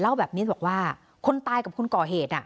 ที่เกิดเหตุเล่าแบบนี้บอกว่าคนตายกับคนก่อเหตุ